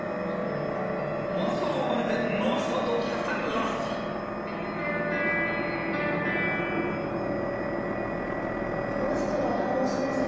モンストロをまねて伸ばした音を聞かせたロッソモンストロ反応しません。